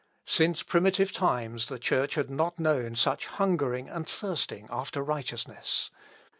Since primitive times the Church had not known such hungering and thirsting after righteousness.